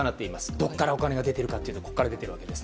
どこからお金が出ているかというとここから出ているわけです。